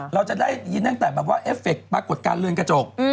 เราจะได้ยินตั้งแต่แบบว่าเอฟเฟคปรากฏการณ์เรือนกระจก